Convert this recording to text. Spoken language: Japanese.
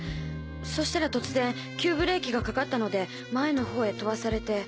そしたら突然急ブレーキがかかったので前の方へ飛ばされて。